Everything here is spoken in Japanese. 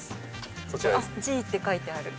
あっ「Ｇ」って書いてある。